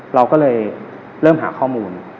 เราก็เลยเริ่มหาข้อมูล